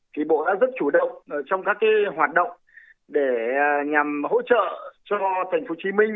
thì bộ đã rất chủ động trong các hoạt động để nhằm hỗ trợ cho tp hcm